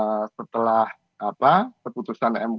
apalagi setelah apa keputusan mk kemarin